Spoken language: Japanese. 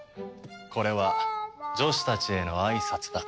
これは女子たちへの挨拶だ。